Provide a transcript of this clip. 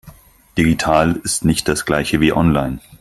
Digital ist nicht das Gleiche wie online.